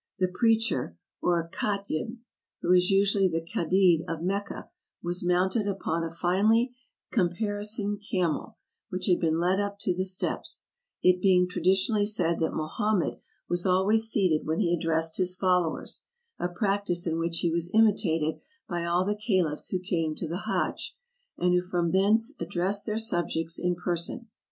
The preacher, or Khatyb, who is usually th^ Kadid of Mecca, was mounted upon a finely caparisoned camel, which had been led up to the steps ; it being traditionally said that Mohammed was always seated when he addressed his followers, a practice in which he was imitated by all the caliphs who came to the Hadj, and who from thence addressed their subjects in per son.